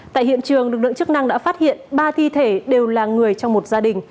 tại hiện trường lực lượng chức năng đã phát hiện ba thi thể đều là người trong một gia đình